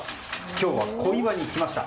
今日は小岩に来ました。